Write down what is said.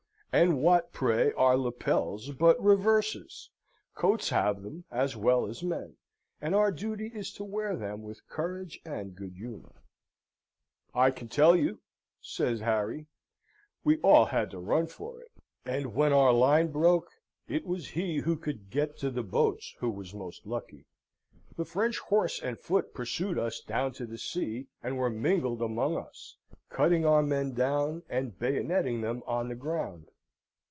And what, pray, are lapels but reverses? Coats have them, as well as men; and our duty is to wear them with courage and good humour. "I can tell you," said Harry, "we all had to run for it; and when our line broke, it was he who could get to the boats who was most lucky. The French horse and foot pursued us down to the sea, and were mingled among us, cutting our men down, and bayoneting them on the ground.